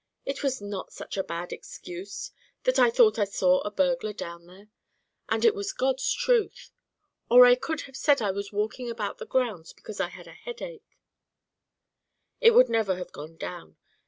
It was not such a bad excuse, that I thought I saw a burglar down there, and it was God's truth. Or I could have said I was walking about the grounds because I had a headache " "It never would have gone down.